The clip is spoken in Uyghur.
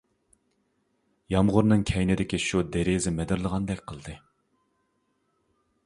يامغۇرنىڭ كەينىدىكى شۇ دېرىزە مىدىرلىغاندەك قىلدى.